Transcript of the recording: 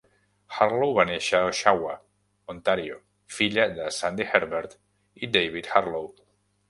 Harlow va néixer a Oshawa, Ontario, filla de Sandi Herbert i David Harlow.